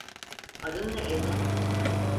Adın ne evlat?